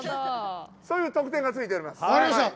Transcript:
そういう特典がついております。